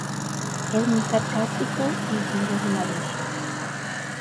Es muy sarcástico y usa un gorro marinero.